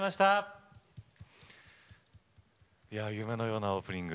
夢のようなオープニング。